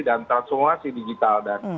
dan transformasi digital dan